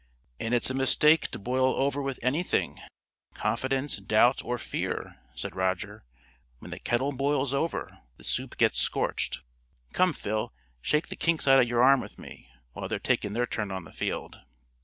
"And it's a mistake to boil over with anything confidence, doubt or fear," said Roger. "When the kettle boils aver, the soup gets scorched. Come, Phil, shake the kinks out of your arm with me, while they're taking their turn on the field."